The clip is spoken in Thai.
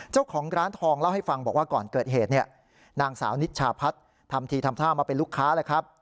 เจ้าของร้านทองเล่าให้ฟังบอกว่าก่อนเกิดเหตุเนี่ยนางสาวนิชชาพัฒน์ทำทีทำท่ามาเป็นลูกค้าแล้วครับ